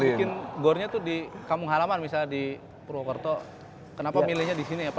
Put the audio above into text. bikin gore nya tuh di kampung halaman misalnya di purwokerto kenapa milihnya disini ya